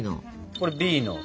これＢの。